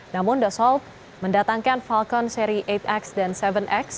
namun the sold mendatangkan falcon seri delapan x dan tujuh x